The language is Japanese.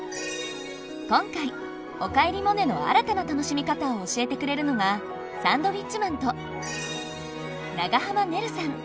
今回「おかえりモネ」の新たな楽しみ方を教えてくれるのがサンドウィッチマンと長濱ねるさん。